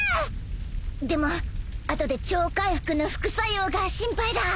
［でも後で超回復の副作用が心配だ］